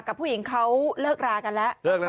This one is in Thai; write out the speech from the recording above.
กับผู้หญิงเขาเลิกรากันแล้วเลิกแล้วนะ